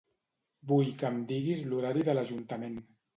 Vull que em diguis l'horari de l'Ajuntament.